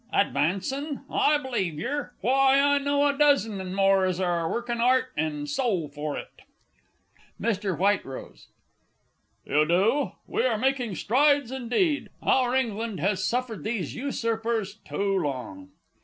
Advancin'? I believe yer. Why, I know a dozen and more as are workin' 'art and soul for it! MR. W. You do? We are making strides, indeed! Our England has suffered these usurpers too long.